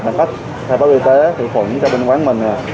phản cách thay pháp y tế thử phụng cho bên quán mình